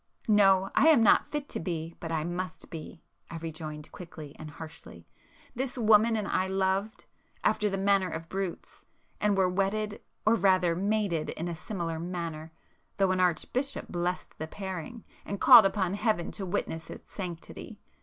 "No, I am not fit to be, but I must be,"—I rejoined quickly and harshly—"This woman and I loved—after the manner of brutes, and were wedded or rather mated in a similar manner, though an archbishop blessed the pairing, and called upon Heaven to witness its sanctity!